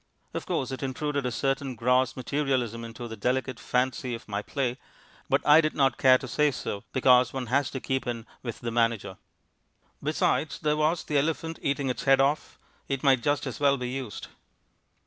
Of course it intruded a certain gross materialism into the delicate fancy of my play, but I did not care to say so, because one has to keep in with the manager. Besides, there was the elephant, eating its head off; it might just as well be used.